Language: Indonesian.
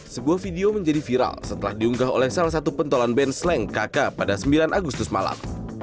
sebuah video menjadi viral setelah diunggah oleh salah satu pentolan band sleng kakak pada sembilan agustus malam